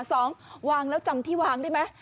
สองวางแล้วจำที่วางได้ไหม